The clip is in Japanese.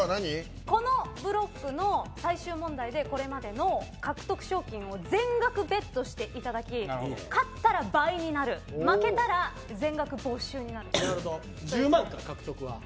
このブロックの最終問題でこれまでの獲得賞金を全額ベットしていただき勝ったら倍になる１０万か獲得は。